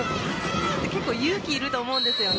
結構、勇気いると思うんですよね。